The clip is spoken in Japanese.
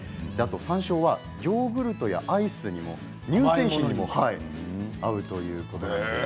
山椒はヨーグルトやアイスにも乳製品にも合うということなんです。